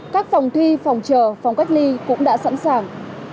các phòng thi phòng chờ phòng cách ly cũng đã sẵn sàng